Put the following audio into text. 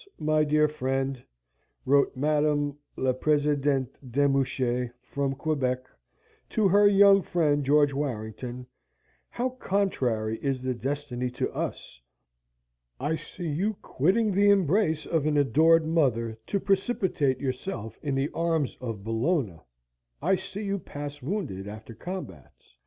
my dear friend!" wrote Madame la Presidente de Mouchy, from Quebec, to her young friend George Warrington. "How contrary is the destiny to us! I see you quitting the embrace of an adored mother to precipitate yourself in the arms of Bellona. I see you pass wounded after combats.